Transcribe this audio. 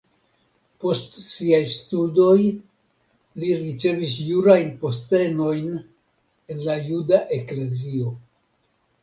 Post siaj studoj li ricevis jurajn postenojn en la juda eklezio.